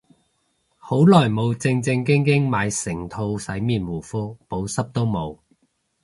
好耐冇正正經經買成套洗面護膚，補濕都冇